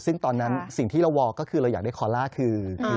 ซึ่งตอนนั้นสิ่งที่เราวอลก็คือเราอยากได้คอลล่าคือ